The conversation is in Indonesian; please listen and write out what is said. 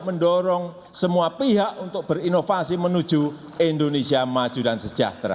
mendorong semua pihak untuk berinovasi menuju indonesia maju dan sejahtera